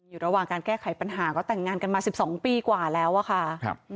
อยู่ระหว่างการแก้ไขปัญหาก็แต่งงานกันมา๑๒ปีกว่าแล้วอะค่ะ